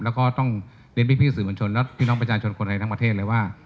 แล้วก็ต้องเรียนพี่สื่อมวลชนและพี่น้องประชาชนคนไทยทั้งประเทศเลยว่า